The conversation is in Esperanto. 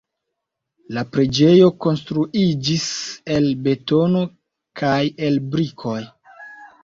La preĝejo konstruiĝis el betono kaj el brikoj.